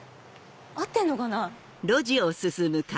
合ってるのかな？